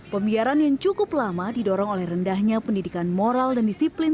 pembiaran yang cukup lama didorong oleh rendahnya pendidikan moral dan disiplin